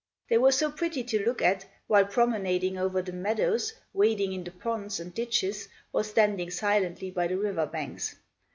They were so pretty to look at, while promenading over the meadows, wading in the ponds and ditches, or standing silently by the river banks.